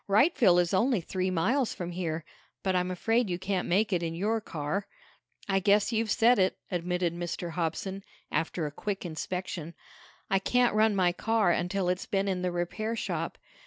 "Wrightville is only three miles from here. But I'm afraid you can't make it in your car." "I guess you've said it," admitted Mr. Hobson, after a quick inspection. "I can't run my car until it's been in the repair shop.